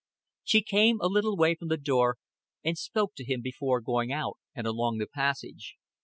She came a little way from the door, and spoke to him before going out and along the passage.